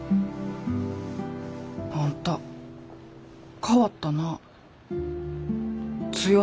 あんた変わったなあ。